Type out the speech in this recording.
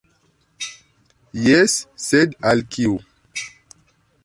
Jes, sed al kiu?